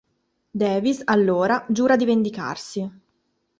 Davies, allora, giura di vendicarsi.